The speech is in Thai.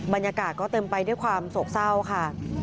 บรรยากาศก็เต็มไปด้วยความโศกเศร้าค่ะ